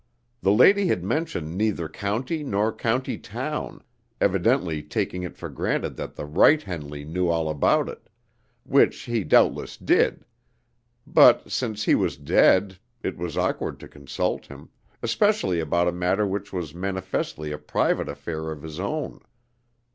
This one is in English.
The lady had mentioned neither county nor county town, evidently taking it for granted that the right Henley knew all about it, which he doubtless did; but, since he was dead, it was awkward to consult him, especially about a matter which was manifestly a private affair of his own.